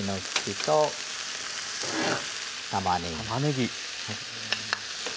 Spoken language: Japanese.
たまねぎ。